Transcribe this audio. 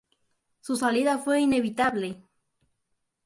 Su salida fue inevitable.